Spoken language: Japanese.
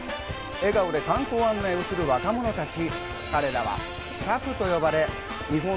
笑顔で観光案内をする若者たち。